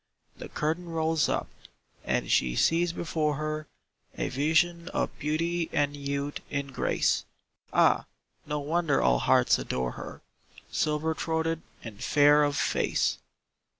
The curtain rolls up, and she sees before her A vision of beauty and youth and grace. Ah! no wonder all hearts adore her, Silver throated and fair of face.